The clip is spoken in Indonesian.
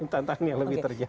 tantangannya lebih terjal